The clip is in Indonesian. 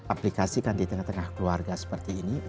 aplikasikan di tengah tengah keluarga seperti ini